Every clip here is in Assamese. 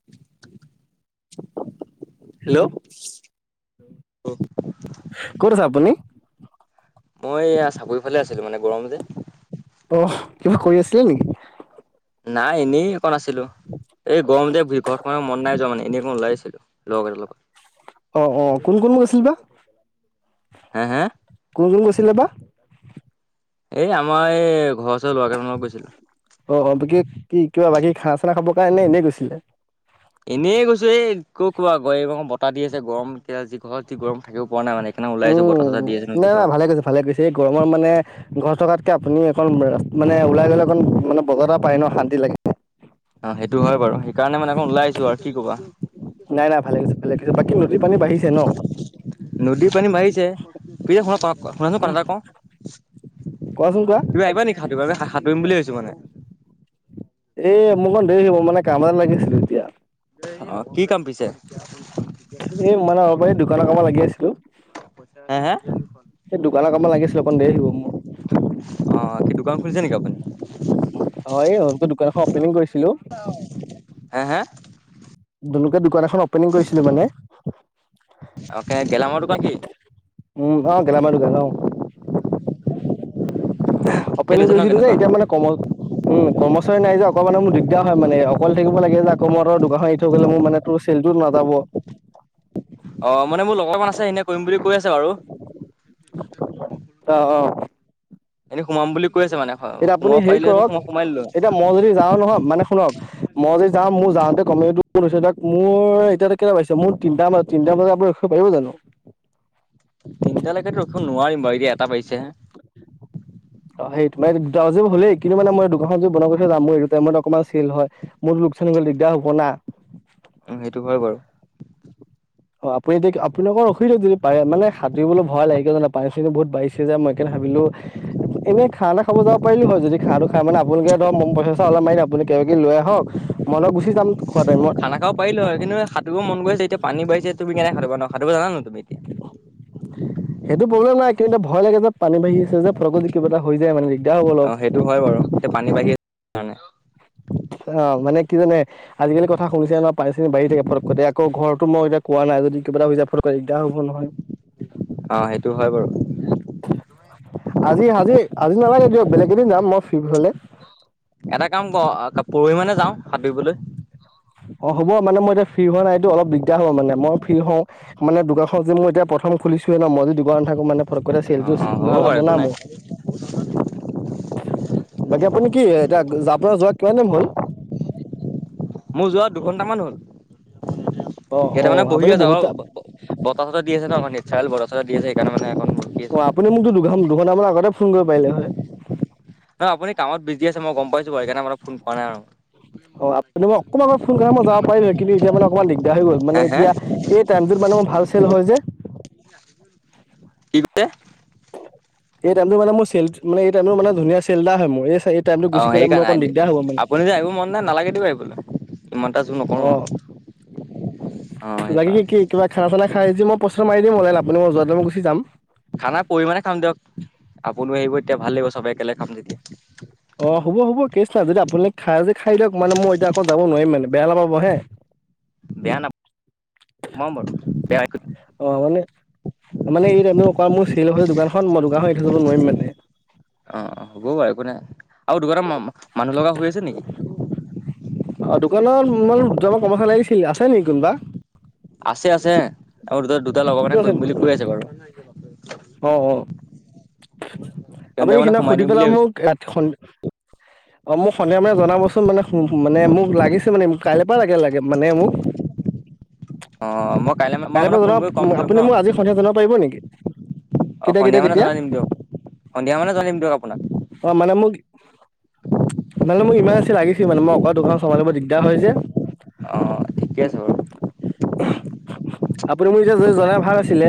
[unintelligible] হেল্ল'? ক'ত আছে আপুনি? মই, এইয়া চাপৰিফালে আছিলোঁ। মানে, গৰম যে! অ'! কিবা কৰি আছিলে নেকি? নাই, এনেই অকণ আছিলোঁ। এই, গৰম দে! ঘৰত সোমাই থাকিব মন নাই যোৱা মানে। এনেই, অকমান ওলাই আহিছিলোঁ, লগৰ কেইটাৰ লগত। অ' অ'! কোন কোন গৈছিল বা? হে, হে? কোন‌ কোন গৈছিলে বা? এই, আমাৰ এই, ঘৰৰ ওচৰ ল'ৰা কেইটামানৰ লগত গৈছিলোঁ। অ' অ'! বাকী, কি কিবা বাকী, খানা-চানা খাবৰ কাৰণে নে এনেই গৈছিলে? এনেই গৈছোঁ, [unintelligible] ক' কোৱা [unintelligible] এই ৰকম বতাহ দি আছে, গৰম! এতিয়া, যি ঘৰত যি গৰম থাকিব, পৰা নাই মানে। সেইকাৰণে ওলাই আহিছো বতাহ উম! চতাহ দি আছে নদী নাই-নাই পাৰত ভালে কৰিছে, ভালে কৰিছে! এই, গৰমত মানে, ঘৰত থকাতকে আপুনি অকণ, মানে ওলাই গ'লে অকণ মানে, বতাহতো পায় ন' শান্তি লাগে! অ'! সেইটো হয় বাৰু। সেইকাৰণে মানে, ওলাই আছোঁ আৰু কি ক'বা! নাই-নাই ভাল কৰিছে, ভালে কৰিছে! বাকী, নদীৰ পানী বাঢ়িছে ন'? নদীৰ পানী বাঢ়িছে! পিছে, শু শুনাচোন কথা এটা কওঁ! কোৱাচোন কোৱা তুমি আহিবা নেকি সাতুৰিবলৈ? সা সাতুৰিম বুলি আহিছোঁ মানে। এই, মোৰ অকণ দেৰি হ'ব! মানে, কাম এটাত লাগি আছিলোঁ এতিয়া। অ'! কি কাম পিছে? এই মানে, অলপ এই, দোকানৰ কামত লাগি আছিলোঁ। হা, হা? এই, দোকানৰ কামত লাগি আছিলোঁ, অকণ দেৰি হ'ব মোৰ। অ'! কি দোকান খুলিছে নেকি আপুনি? অ'! হোলচেল দোকানখন অপেনিং কৰিছিলোঁ। অ'! হা, হা? [unintelligible] দোকান এখন অপেনিং কৰিছিলোঁ মানে। অ'কে! গেলামালৰ দোকান কি? উম, অ'! গেলামাল দোকান। অ'! ঠিকে অপেনিং লৈছে ন কৰিছিলোঁ যে, দোকান এতিয়া মানে, কম উম! কৰ্মচাৰী নাই যে, অকণ মানে, মোৰ দিগদাৰ হয় মানে! অকল থাকিব লাগে যে, অকৌ মোৰ দোকানখন এৰি থৈ গ'লে, মোৰ মানে, তোৰ চেলটোত নাযাব। অ'! মানে, মোৰ লগৰখন আছে, এনেই কৰিম বুলি কৈ আছে বাৰু। অ' অ'! এনেই সোমাম বুলি কৈ আছে মানে, এতিয়া আপুনি সোমাব হেৰি পাৰিলেহেতন, কৰক সোম সোমাই ল'লো হয়। এতিয়া মই যদি যাওঁ নহয়, মানে শুনক? মই যে যাম মোৰ যাওঁতে কমেও দুপৰ হৈছে এতিয়া মোৰ তিনটা ব তিনটা বজাত আ কপাহিও জানো। তিনিটালৈকেতো ৰখিব নোৱাৰিম বাৰু এতিয়া এটা বাজিছেহে। অ', [unintelligible] মানে দুটা বাজিব হলেই কিন্তু মানে মই দোকান [unintelligible] যে বন্ধ কৰি থৈ যাম মোৰ এইটো টাইমত অকমান চেল হয়। মোৰ লোকচান [unintelligible] দিগদাৰ হ'ব না। অ', সেইটো হয় বাৰু। অ', আপুনি [unintelligible] আপুনি অকণমান ৰখি দিয়ক যদি পাৰে মানে সাঁতুৰিবলৈ ভয় লাগে কিয় জানে পানী চানী বহুত বাঢ়িছ চে যে মই কেনে ভাবিলোঁ এনেই খানা খাব যাব পাৰিলোঁ হয় যদি খানা খাই মানে আপোনালোকে ধৰক [unintelligible] পইচা চইচা অলপ [unintelligible] আপুনি কিবা কিবি লৈ আহক। [unintelligible] গুচি যাম খোৱা টাইমত। [unintelligible] পাৰিলো হয় কিন্তু [unintelligible] সাঁতোৰিব মন গৈ আছে এতিয়া পানী বাঢ়িছে তুমি কেনেকে সাতুৰিবা ন' সাঁতুৰিব জানা ন' তুমি? [inaudible] সেইটো প্ৰব্লেম নাই কিন্তু ভয় লাগে যে পানী বাঢ়ি আছে যে ফতকে যদি কিবা এটা হৈ যায় মানে দিগদাৰ হ'ব অ অলপ। সেইটো হয় বাৰু এতিয়া পানী বাঢ়ী আছে কাৰণে। অ', মানে কি জানে। আজিকালি কথা শুনিছে নহ, পাৰিছে বাঢ়ি থাকে ফত্ক কৰি একো ঘৰতো মই এতিয়া কোৱা নাই যদি কিবা এটা হৈ যায় কিবা ফতক কৰি দিগদ হ'ব নহয়। [inaudible] অ', সেইটো হয় বাৰু। আজি হাজি আজি নালাগে দিয়ক, বেলেগ এদিন যাম মই ফ্ৰী হ'লে। এটা কাম কৰ অ', পৰহি মানে যাওঁ সাঁতুৰিবলৈ। অ', হ'ব মানে মই এতিয়া ফ্ৰী হোৱা নাইটো অলপ দিগদাৰ হ'ব মানে মই ফ্ৰী হওঁ। মানে দোকাৰখন যে মই এতিয়া প্ৰথম খুলিছোহে ন' মই যদি দোকানত নাথাকোঁ মানে [unintelligible] অ চেলটো অ হ'ব বাৰু নাজাব একো না নাই মোৰ। বাকী আপুনি কি এতিয়া যাব যোৱা কিমান দিন হ'ল? মোৰ যোৱা দুঘন্টামান হ'ল অ অ ইয়াতে মানে বহি আপুনি আছোঁ বহুত আৰু বতাহ চতাহ দি আছে ন' আমাৰ নেচাৰেল বতাহ চতা দি আছে সেইকাৰণে মানে অকণ ৰখি আছো। অ', আপুনি মোকটো দুঘ-দুঘণ্টামান আগতে ফোন কৰিব পাৰিলে হয়। অ', আপুনি কামত বিজি আছে মই গম পাইছোঁ বাৰু সেইকাৰণে ফোন কৰা নাই আৰু। অ', আপুনি মোক অকণমান আগত ফোন কৰা হয় মই যাবা পাৰিলোঁ হয় কিন্তু এতিয়া মানে অকণমান দিগদাৰ হৈ গ'ল মানে হে হে এতিয়া এই টাইমটোত মানে মোৰ ভাল চেল হয় যে। কি কৈছে? এই টাইমটো মানে মোৰ চেলচ মানে এই টাইমটো মানে ধুনিয়া চেল এটা হয় মোৰ এই চাৰি অ', সেইকাৰণে আপুনি যদি আহিব মন নাই নালাগে দিয়ক আহিবলৈ। ইমানটা জোৰ নকৰো অ আৰু অ', বাকী কি সেইকাৰণে। কিবা খানা চানা খাই যদি মই পইচাটো মাৰি দিওঁ [unintelligible] আপুনি মই যোৱা টাইমত গুছি যাম। খানা পৰহিমানে খাম দিয়ক, আপুনিও আহিব তেতিয়া ভাল লাগিব চবে একেলগে খাম [unintelligible] অ', হ'ব, হ'ব কেচ নাই যদি আপুনি খাই যি খাই দিয়ক মানে মই এতিয়া আকৌ যাব নোৱাৰিম মানে, বেয়া নাপাব হে। [inaudible] বেয়া নাপ মই ম বেয়া এক অ', মানে মানে এই [unintelligible] মোৰ চেল হয় দোকানখন মই দোকানখন এৰি থৈ যাব নোৱাৰিম মানে। অ', হ'ব বাৰু একো নাই আৰু [unintelligible] মানুহ লগা হৈ আছে নেকি? অ', দোকানত মানে দুটামান কৰ্মচাৰি লাগিছিল, আছে নেকি কোনোবা? আছে, আছে আৰু দুটা-দুটা লগৰ কোন মানে আছে কৰিম বুলি কৈ আছে বাৰু। অ', অ', আপুনি সিহঁতক মানে সেইদিনা সোমাই সুধি দিম বুলি পেলাই ভাবিছো। মোক ৰাতি সন অ', মোক সন্ধিয়া মানে জনাবচোন মানে [unintelligible] মানে মোক লাগিছে মানে কাইলে কিবা লাগে লাগে মানে মোক অ' মই কাইলে মই কাইলৈ পৰা আপোনাক ফোন জনাব কৰি ক'ম দিয়ক ন'। [unintelligible] পাৰিব নেকি? অ' কেতিয়া সন্ধিয়া কেতিয়া মানে কেতিয়া জনাই দিম দিয়ক, সন্ধিয়া মানে জনাই দিম দিয়ক আপোনাক। অ' মানে মোক মানে মোক ইমাজেঞ্চি লাগিছিল, মানে মই অকলে দোকান চাম্ভালিব দিগদাৰ হয় যে। অ' ঠিকে আছে বাৰু। আপুনি মোক যে জে-জনাই ভাল আছিলে।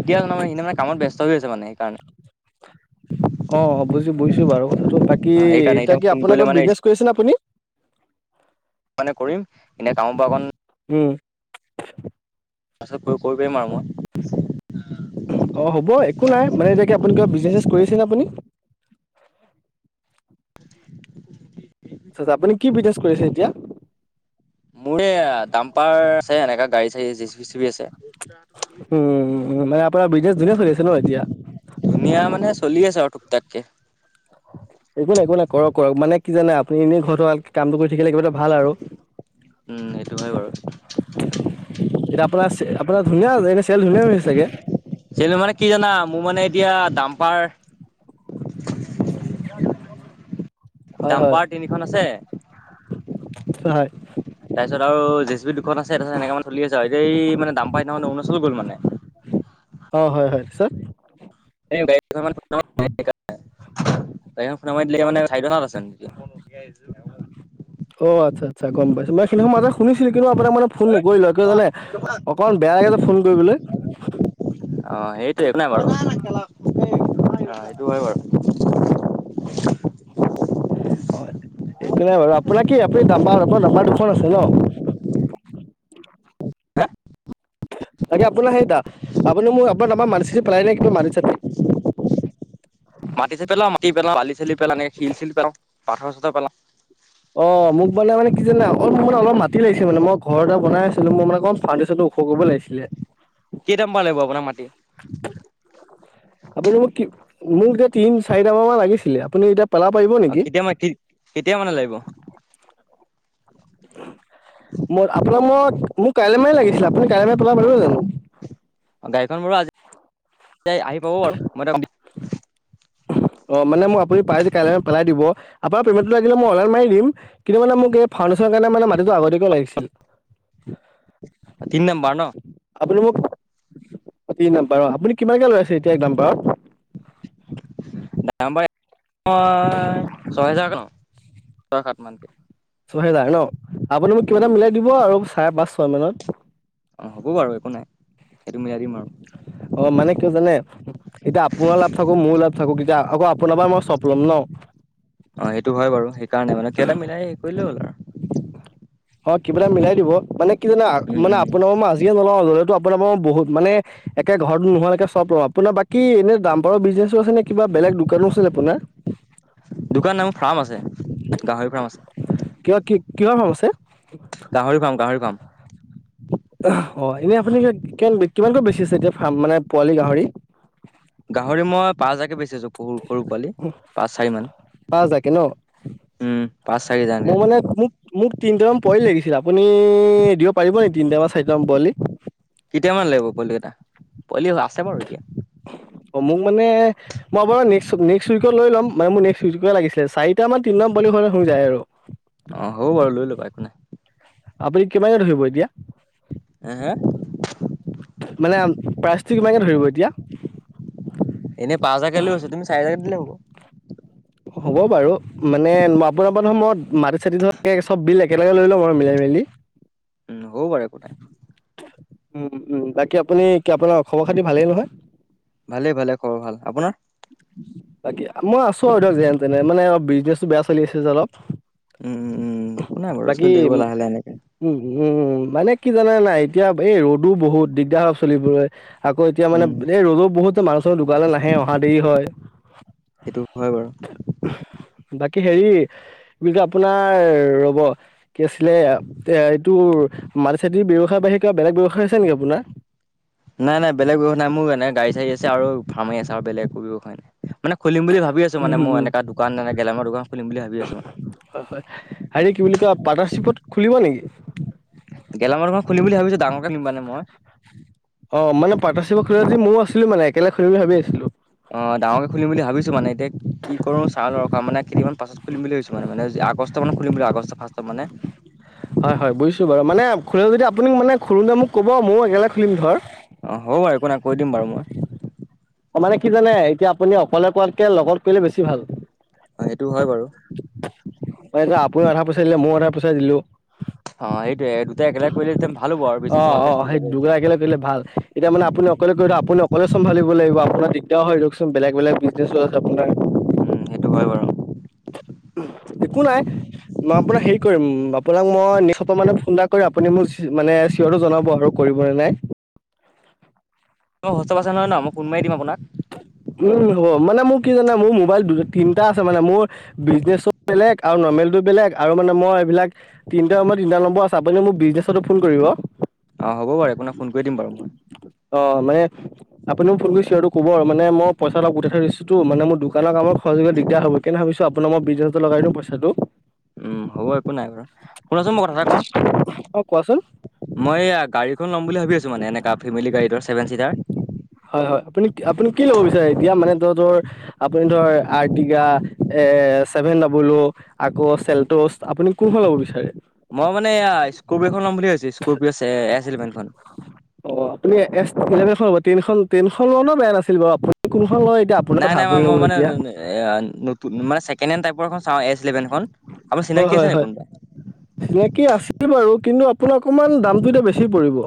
এতিয়া [unintelligible] কামত ব্যস্ত হৈ হৈছে মানে সেইকাৰণে। অ', অ' বুজি বুজিছোঁ বাৰু কথাটো। বাকী অ সেইকাৰণে এতিয়া কি ফোন আপোনাক কৰিলে কি মানে বিজনেচ কৰিছেনে আপুনি? মানে কৰিম, এনে কামৰ পৰা অকণ উম তাৰপিছত [unintelligible] মাৰো মই। অ' হ'ব একো নাই, মানে এতিয়া কি আপুনি কিবা বিজনেছ কৰিছেনে আপুনি? [inaudible] [unintelligible] আপুনি কি বিজনেছ কৰিছে এতিয়া? মোৰ এ, দাম্পাৰ আছে, এনেকা গাড়ী চাড়ী [unintelligible] উম, মানে আপোনাৰ বিজনেছ ধুনীয়া চলি আছে ন' এতিয়া? ধুনীয়া মানে চলি আছে আৰু টুকটাককে। একো নাই, বলা কৰা কৰা, মানে কি জানে আপুনি এনে ঘৰত থ কামটো কৰি থাকিলে কিবা এটা ভাল আৰু। উম সেইটো হয় বাৰু এতিয়া আপোনাৰ চে, আপোনাৰ ধুনীয়া আ, এনে চেল ধুনীয়া হৈছে চাগে। চেলু মানে কি জানা, মোৰ মানে এতিয়া দাম্পাৰ [inaudible] হয় হয় ডাম্পাৰ তিনিখন আছে হয় তাৰপিছত আৰু জে চি বি দু [unintelligible] আছে তাৰপছ এনেকা মানে চলি আছে আৰু এই দাম্পাৰ অৰুণাচল গ'ল মানে। অ' হয় হয়, পিছত? এই গাড়ীখন [unintelligible] অ' আচ্ছা আচ্ছা, গম পাইছোঁ। [unintelligible] শুনিছিলোঁ কিন্তু আপোনাক মানে ফোন নকৰিলো কিয় জানে অকণমান বেয়া লাগে যে ফোন কৰিবলৈ। অ' সেইটোয়ে [unintelligible] অ' সেইটো হয় বাৰু। হয়, একো নাই বাৰু। আপোনাক কি আপুনি দাম্বাৰ দাম্বাৰ দু [unintelligible] আছে ন'? [unintelligible] আাগে আপোনাৰ সেইতা, আপোনি [unintelligible] মাটি চাটি পেলাই নে কিবা মাটি চাটি? [inaudible] মাটি চে পেলাও, মাটি পেলাও, বালি চালি পেলা, একে শিল চিল পেলাও, পাথৰ চাথৰ পেলাও। অ' মোক মানে, মানে কি জানে, মানে অলপ মাতি লাগিছে মানে মই ঘৰ [unintelligible] বনাই আছিলোঁ, মই মানে অকণ ফাউনটেচন ওখ কৰিব লাগিছিলে। কেইটামান পৰা লাগিব আপোনাক মাটি আপুনি মোক কি, মোক যে তিন চাৰিট মান মান লাগিছিলে। আপুনি এতিয়া পেলাব পাৰিব অ' নেকি কেতিয়া মা, কেতিয়া মানে লাগিব? মোক, আপোনাক মোক, মোক কাইলৈ মানে লাগিছিলে, আপুনি কাইলৈ [unintelligible] পেলাব পাৰিব জানো? গাড়ীখন বোৰো আজি আহি পাব বাৰু, মই [unintelligible] অ' মানে মো আপুনি পাই যে কাইলৈ পেলাই দিব, আপোনাৰ পেমেণ্টটো লাগিলে অনলাইন মাৰি দিম। কিন্তু মানে মোক এই ফাউণ্ডেশ্যনৰ কাৰণে মানে মাটিটো আগতীয়াকৈ লাগিছিল। তিন নাম্বাৰ ন'? আপুনি মোক তিন দাম্বাৰ আপুনি কিমানকে লৈ আছে এতিয়া এক দা। দামাৰ ময় ছয় হেজাৰক ল ছয় সাত মানকে। ছহেজাৰ ন আপুনি মোক কিবা এটা উম মিলাই দিব আৰু চাৰে পাঁচ ছয় মানত। অ হ'ব বাৰু একো নাই সেইটো মিলাই দিম আৰু। অ মানে কিয় জানে এতিয়া আপোনাৰ লাভ থাকো মোৰো লাভ থাকো এতিয়া আকৌ আপোনাৰ পৰাৰ মই স্বপ ল'ম ন। অ সেইটো হয় বাৰু সেইকাৰণে মানে কেই এটা মিলাই হেৰি কৰিলে হ'ল আৰু। অ কিবা এটা মিলাই দিব মানে কি জানা উম মানে উম আপোন ম। যিয়ে নলাওঁ ললেতো আপোনাৰ ম বহুত মানে ঘৰতো নোহোৱৈকে চব লওঁ আপোনাৰ বাকী এনে দম্পাৰৰ বিজনেছো আছে নে কিবা বেলেগ দোকানো আছিল আপোনাৰ। দোকান নাই মোৰ ফাৰ্ম আছে গাহৰি ফাৰ্ম আছে। কিয় কি কিহৰ ফাৰ্ম আছে। গাহৰি ফাৰ্ম গাহৰি ফাৰ্ম। অ এনেই আপুনিমান কিমান কিমানকৈ বেছি আছে এতিয়া ফ্ম মানে পোৱালি গাহৰি। গাহৰি মই পাঁ হাজাকে বেচি আছো পৰু সৰু পোৱালি পাঁচ চাৰি মান। পাছ হাজাৰ কে ন উম পাঁচ চাৰি হাজাৰকে মোৰ মানে মোক। মোক তিনিটামান পোৱালি লাগিছিল আপুনি দিব পাৰিব নেকি তিনিটামান চাৰিটামান পোৱালি। কেতিয়ামান লাগিব পোৱালি কেটা পোৱালি আছে বাৰু এতিয়া। অ', মোক মানে মই বাৰু নেক্সট নেক্সট উইক লৈ ল'ম মানে মোৰ নেক্সট উইকে লাগিছিলে চাই। টামান তিনিটামান পোৱালি হলে হৈ যায় আৰু। অ', হ'ব বাৰু লৈ লবা একো নাই। আপুনি কিমানকে ধৰিব এতিয়া। হে হে মানে প্ৰাইচটো কিমানাকে ধৰিব এতিয়া। এনে পাজ হাজাৰকে লৈ আছো চাৰিহাজাৰকে দিলে হব। হ'ব বাৰু মানে আপোনাৰপৰা নহয় ময় মাটি চাটি ধক চব বিল একেলগে লৈ ল'ম আৰু মিলাই মেলি। উ হব বাৰু একোটাই। উ উম বাকী আপুনি কি আপোনাৰ খবৰ খাতি ভালেই নহয়। ভালে ভালে খবৰ ভাল আপোনাৰ। বাকী মই আছো আৰু ধক যেন তেনে মানে অল বিজনেচো বেয়া চলি আছে যে অলপ। উম উম উম একো নাই বাৰু বাকী চলি থাকিব লাহে লাহে এনেকে উ উম মানে। কি জানে নাই এতিয়া এই ৰ'দো বহুত দিগদাৰ হায় চলিবলে। আকৌ এতিয়া মানে উম এই ৰ'দো বহুত মানুহ চ দোকালে নাহে অহা দেৰি হয়। হেতু হয় বাৰু। বাকী হেৰি। বুলি কে আপোনাৰ ৰ'ব কি আছিলে এ এইটো। মাটি চাতি ব্যৱসায় বাহিৰা কিবা বেলেগ ব্যৱসায় আছে নেকি আপোনাৰ। নাই নাই বেলেগ ব্যৱসায় নাই মোৰ এনে গাড়ী চাঢ়ী আছে আৰু ফাৰ্মে আছে আৰু বেলেগ একো ব্যৱসায় নাই। মানে খুলিম বুলি ভাবি আছো মানে উম মোৰ উম এনেকা দোকান এনে গেলামৰ দোকান খুলিম বুলি ভাবি আছো ম। হয় হয় হেৰি কি বুলি কয় পাৰ্টনাৰশ্বিপত খুলিব নেকি। গেলামালৰ দোকান খুলি বুলি ভাবছো ডাঙৰকে নিম মানে মই। অ', মানে পাৰ্টাৰশ্বিক খুলে যদি মো আছিলো মানে একেলগ খুলি বুলি ভাবি আছিলো। অ', ডাঙকে খুলিম বুলি ভাবিছো মানে এতিয়া। কি কৰো চাই লও মানে কিদিন মান পাচত খুলিম বুলি ভাবিছো মানে আগষ্ট মানে খুলিম বুলি আগষ্ট ফ্ৰষ্টতত মানে। হয় হয় বুজছো বাৰু মানে খোলে যদি আপুনি মানে খোঁলোতে মোক ক'ব ময়ো একেেলগ খুলিম ধৰ অ', হ'ব বাৰু একো নাই কৈ দিম বাৰু মই। অ', মানে কি জানে এতিয়া আপুনি অকলে কোৱাতকে লগত কৰিলে বেছি ভাল অ', সেইটো হয় বাৰু আপুনিও আধা পইচা দিলে মইও আধা পইচা দিলো অ', সেইটয়ে দুটাই একেলগ কৰিলেতিয়া ভাল হব আৰু অ বিজনেছটো অ ভালকে চলি সেই যাব দুটা এতিয়া একেলগে কৰিলে ভাল [unintelligible] এতিয়া মানে আপুনি [unintelligible] অকলে ক থ আু অকলেম্ভিবাগিবপোনাৰগদাৰ হয় দকচ বলেগ বেলেগ উম, বিজনে আছে আপোনাৰ সেইটো হয় বাৰু একো নাই মই আপোনাক হেৰি কৰিম আপোনাক মই নিশ মানে ফোন এটা কৰি আপুনি মোক মানে চৰটো জনাব আৰু কৰিবনে নাই আ নহয় ন মই কোনমাই দিম আপোনাক উম হ'ব মানে মোৰ কি জানে মোৰ মোবাইল দু তিনটা আছে মানে মোৰ বিজনেচ বেলেগ আৰু নৰ্মেলটো বেলেগ আৰু মানে মই এইবিলাক তিনিটা সময় তিনিটা নম্বৰ আছে আপুনি মোক বিজনেছতো ফোন কৰিব অ', হ'ব বাৰু আপোনাক ফোন কৰি দিম বাৰু মই অ', মানে আপুনি মোক ফোন কৰি চ ক'ব মানে মই গোটাই ঠয় দিছো মানে মোৰোকান আম খৰচবিল দিগদাৰ হ' কেনে ভাবিছো আপোন মই বিজছটো লগাই দিওঁ পই হেলল উম হ'ব একো নাই বাৰু শুনাচোন মই কথা এটা কওঁ অঁ কোৱাচোন মই এইআ গাড়ীখন ল'ম বুলি ভাবি আছো মানে, এনেকা ফেমিলি গাড়ীৰ ছেভেন চিটাৰ। হয় হয় আপুনি আপুনি কি ল'ব বিচাৰে এতিয়া, মানে ধ ধৰ আপুনি ধৰ! টা এ চছেভেন ডাবলো আকৌ চেল্টচ আপুনি কোনখন ল'ব বিচাৰে? মই মানে এয়া স্কপিঅ এখন ল' বুলি ভাবছো। স্পিঅ' এচেভেন খন। অ আপুনি এছ লব টেইন ট্ৰেইনখন ললেৱো বেয়া নাছিল বাৰু আপুনি কোনখন লয়! সেইতো আপোনাৰ নাই কথা নাই আপুনি মই লব মই মানে যেতিয়া। এয়া নতুন মানে ছেকেণ্ড হেণ্ড টাইপৰ এখন চাওঁ এছ ইলেভেনখন। আপোনাৰ অ চিনাকি আছে হয় নে হয়। কোনোবা? চিনাকি আছিল বাৰু কিন্তু আপোনাৰ অকণমান দামটো এতিয়া বেছি পৰিব।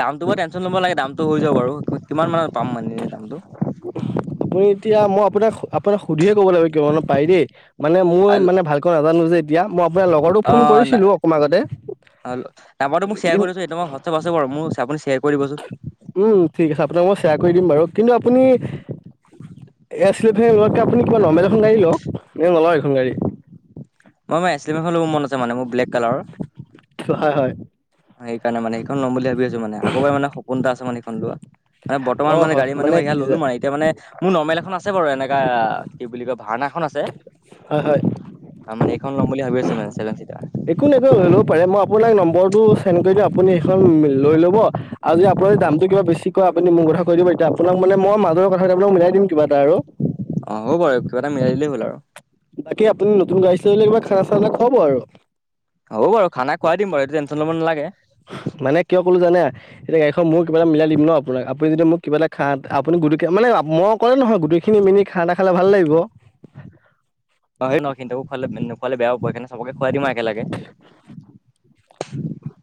দামটো বৰ টেনশ্যন লব লাগে দামটো হৈ যাব বাৰু কিমান মানত পাম মান দামটো আপুনি এতিয়া মই আপোনাক আপোনাক সুধিহে ক'ব লাগিব কো পাৰ দেই মানে মোৰ মানে ভালক ন নাজানো যে এতিয়া মই আপোনাৰ লগৰটো ফোন অ' কৰিছিলো অকমান আগতে নাম্বাৰটো মোক শ্বেয়াৰ কি কৰি দিবচোন এইটো মই আছে বাৰু মোক আপু শ্বেয়াৰ দিবচোন উম ঠিক আছে আপোনাক মই শেয়াৰ কৰি দিম বাৰু কিন্তু আপুনি! এই আছিলেকে লোৱাতকে কিবা নৰ্মেল এখন গাড়ী লওক, নে নলয় এখন গাড়ী! অ মই মানে আছে মান মোৰ ব্লেক কালাৰৰ হয় হয়। সেই কাৰণে মানে সেইখন'ম বুলি ভাবিছো মানে, আগৰপা মান সপোন এটা আছে মানে! লোৱা বৰ্তমান অ', মানে হয় গাড়ী মানে এইয়া কি যে ললো মানে, এতিয়া মানে? মোৰ নৰ্মেল এখন আছে বাৰু এনেকুৱা কি বুলি কয় ভাওনা এখন আছে। হয় হয়। মানে এইখন ল'ম বুলি ভাবি আছো মানে ছেভেন চিটাৰ। একো নেদিলেও লৈ লব পাৰে, মই নম্বটো চেন কৰি দিম আপুনি এইখন লৈ লব। আৰু যদি আপোনাৰ য দামটো কিবা বেছি ক আউ যদি আপুনি দামটো কিবা যদি বেছি মোৰ কথা কৈ দিব, এতিয়া আপোনাক মানে মাজৰ কথা আপোনাক মিলাই দিম কিবা এটা আৰু। অ হ'ব বাৰু কিবা এটা মিলাই দিলেই হ'ল আৰু বাকী আপুনি নতুন গাড়ী চলালে কিবা খানা চানা খুৱাব আৰু! হ'ব বাৰু খানা খোৱাই খাই দিম বাৰু এইটো টেনশ্যন ল'ব নালাগে। মানে কিয় ক'লো জানে? এতিয়া গাড়ীখন মোৰ কিবা এটা মিলাই দি ন' আপোনাক আপুনি যদি মোক কিবা এটা খনা আপুনি গোটে মানে মই অকলে নহয়, গোটেইখিনি মিলি খানা খালে ভাল লাগিব। হয় ন' কিন্তু খুৱালে, নোখোৱালে বেয়া পাব সেইকাৰণে চবকে খুৱাই দিম একেলগে। [inaudible]